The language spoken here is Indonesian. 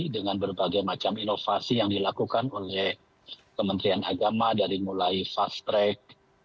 dengan berbagai macam inovasi yang dilakukan oleh kementerian agama dari mulai fast track